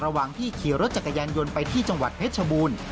ระหว่างที่ขี่รถจักรยานยนต์ไปที่จังหวัดเพชรชบูรณ์